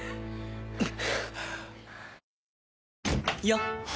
よっ！